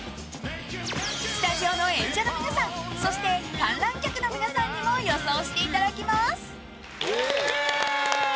スタジオの演者の皆さんそして観覧客の皆さんにも予想していただきます。